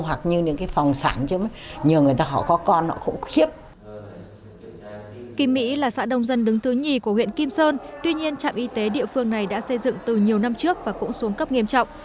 huyện mỹ là xã đông dân đứng thứ hai của huyện kim sơn tuy nhiên trạm y tế địa phương này đã xây dựng từ nhiều năm trước và cũng xuống cấp nghiêm trọng